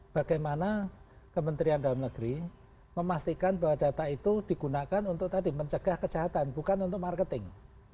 bagaimana kementerian dalam negeri memastikan bahwa data itu digunakan untuk tadi mencegah kejahatan bukan untuk marketing